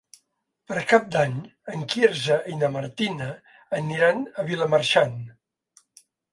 Per Cap d'Any en Quirze i na Martina aniran a Vilamarxant.